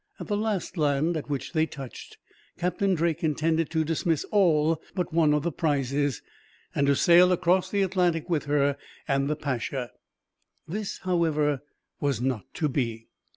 At the last land at which they touched Captain Drake intended to dismiss all but one of the prizes, and to sail across the Atlantic with her and the Pacha. This, however, was not to be.